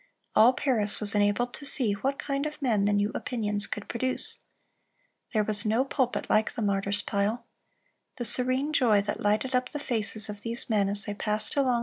All Paris was enabled to see what kind of men the new opinions could produce. There was no pulpit like the martyr's pile. The serene joy that lighted up the faces of these men as they passed along